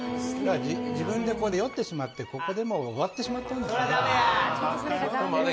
自分で酔ってしまって、ここで終わってしまったなと。